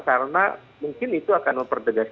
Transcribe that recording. karena mungkin itu akan mempertegas